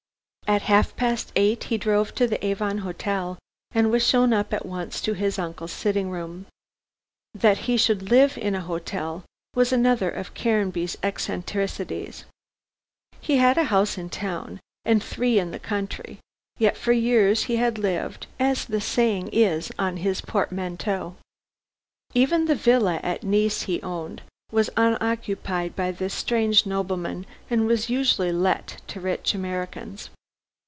At half past eight he drove to the Avon Hotel and was shown up at once to his uncle's sitting room. That he should live in an hotel was another of Caranby's eccentricities. He had a house in town and three in the country, yet for years he had lived as the saying is on his portmanteau. Even the villa at Nice he owned was unoccupied by this strange nobleman, and was usually let to rich Americans.